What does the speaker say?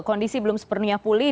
kondisi belum sepenuhnya pulih